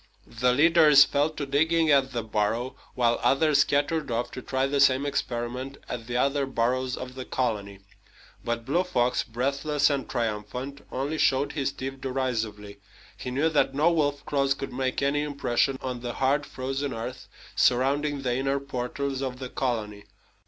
The leaders fell to digging at the burrow, while others scattered off to try the same experiment at the other burrows of the colony. But Blue Fox, breathless and triumphant, only showed his teeth derisively. He knew that no wolf claws could make any impression on the hard frozen earth surrounding the inner portals of the colony.